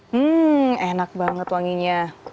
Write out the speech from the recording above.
hmm enak banget wanginya